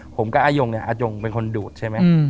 ผมกับอายุ่งอายุ่งเป็นคนดูดใช่ไหม